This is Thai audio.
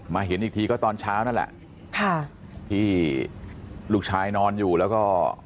เห็นอีกทีก็ตอนเช้านั่นแหละค่ะที่ลูกชายนอนอยู่แล้วก็